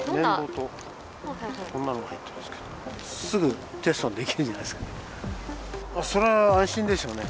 すぐテストができるんじゃないですか。